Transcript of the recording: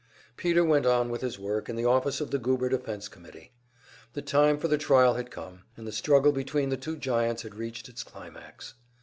Peter went on with his work in the office of the Goober Defense Committee. The time for the trial had come, and the struggle between the two giants had reached its climax.